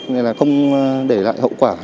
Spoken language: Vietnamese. đấy không để lại hậu quả